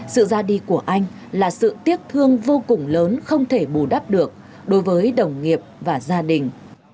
sự ra đi của anh là sự tiếc thương vô cùng lớn không thể bù đắp được đối với đồng nghiệp và gia đình